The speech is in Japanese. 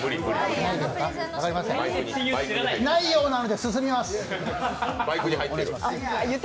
ないようなので進みます。